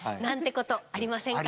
ことありませんか？